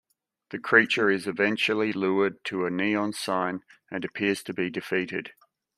The creature is eventually lured to a neon sign and appears to be defeated.